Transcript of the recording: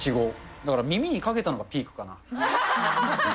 だから耳にかけたのがピークかな。